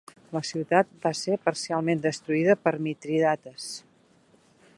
La ciutat va ser parcialment destruïda per Mitridates.